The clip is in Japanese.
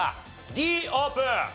Ｄオープン！